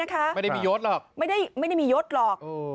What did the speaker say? ไม่ได้มีโยฆไม่ได้มีโยฆหรอก